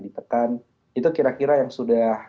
ditekan itu kira kira yang sudah